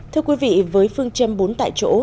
thưa quý vị với phương châm bốn tại chỗ